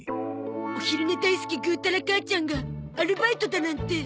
お昼寝大好きグータラ母ちゃんがアルバイトだなんて。